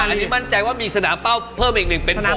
อันนี้มั่นใจว่ามีสนามเป้าเพิ่มอีกหนึ่งเป็น